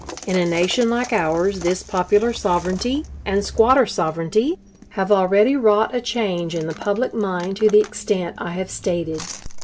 In a nation like ours this popular sovereignty and squatter sovereignty have already wrought a change in the public mind to the extent I have stated.